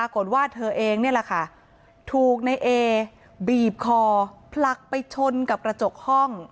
ค่ะถูกในเอบีบคอพลักไปชนกับกระจกห้อง